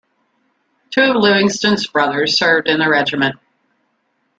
Two of Livingston's brothers served in the regiment.